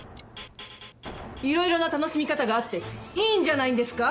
色々な楽しみ方があっていいんじゃないんですか！？